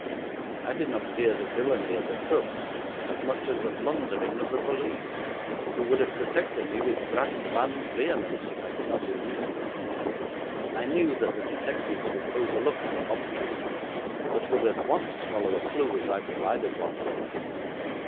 I did not fear the villainy of the crooks as much as the blundering of the police, who would have protected me with brass band vehemence if I could not elude them. I knew that the detectives would overlook the obvious, but would at once follow a clue if I provided one for them.